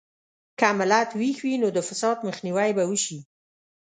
که ملت ویښ وي، نو د فساد مخنیوی به وشي.